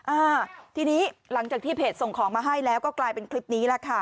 อ่าทีนี้หลังจากที่เพจส่งของมาให้แล้วก็กลายเป็นคลิปนี้แหละค่ะ